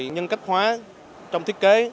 nhân cách hóa trong thiết kế